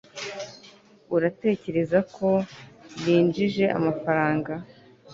uratekereza ko ninjije amafaranga